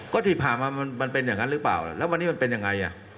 ก็ที่ผ่านมามันเป็นอย่างนั้นหรือเปล่าแล้ววันนี้มันเป็นยังไง